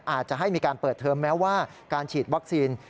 อาจจะให้มีการเปิดเทอมแม้ว่าการฉีดวัคซีน